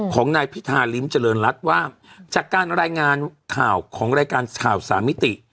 ของนายพิธาริมเจริญรัฐว่าจากการรายงานข่าวของรายการข่าวสามมิติ